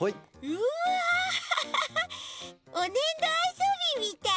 うわハハハハおねんどあそびみたい。